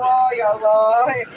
ya allah ya allah